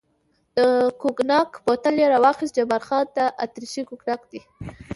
د کوګناک بوتل یې را واخیست، جبار خان: دا اتریشي کوګناک دی.